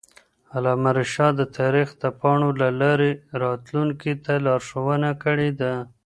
علامه رشاد د تاریخ د پاڼو له لارې راتلونکي ته لارښوونه کړې ده.